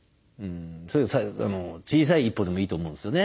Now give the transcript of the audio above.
小さい一歩でもいいと思うんですよね。